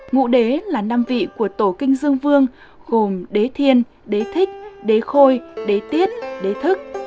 ngụ đế là năm vị của tổ kinh dương vương gồm đế thiên đế thích đế khôi đế tiết đế thức